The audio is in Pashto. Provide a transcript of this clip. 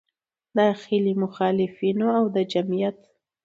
داخلي مخالفینو او د جمعیت